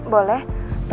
boleh tolong ya deh